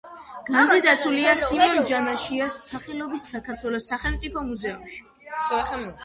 განძი დაცულია სიმონ ჯანაშიას სახელობის საქართველოს სახელმწიფო მუზეუმში.